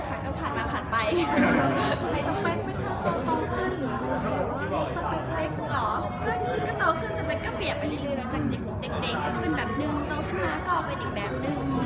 แล้วก็เด็กจะเป็นถึงตาก็มีอีกแต่นึง